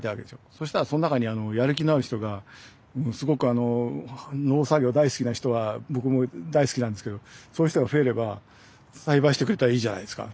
そしたらその中にやる気のある人がすごく農作業大好きな人が僕も大好きなんですけどそういう人が増えれば栽培してくれたらいいじゃないですか。